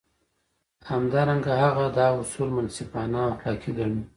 همدارنګه هغه دا اصول منصفانه او اخلاقي ګڼي.